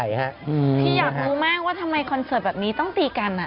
พี่อยากรู้มากว่าทำไมคอนเสิร์ตแบบนี้ต้องตีกัน